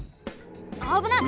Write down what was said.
あぶない！